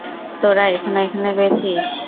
তোরা এখনো এখানে রয়েছিস।